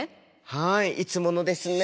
はいいつものですね。